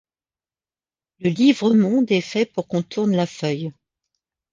Le livre monde est fait pour qu’on tourne la feuille.